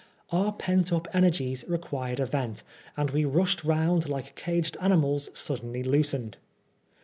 Our pent up energies required a vent, and we rushed round like caged animals suddenly loosened.